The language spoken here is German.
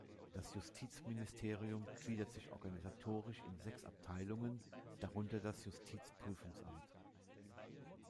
Das Justizministerium gliedert sich organisatorisch in sechs Abteilungen, darunter das Justizprüfungsamt.